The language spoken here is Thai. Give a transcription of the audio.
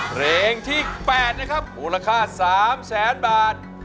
เหรงที่๘นะครับโผล่ค่า๓๐๐บาท